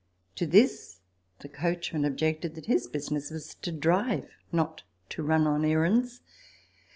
To this the coachman objected, that his business was to drive, not to run on errands.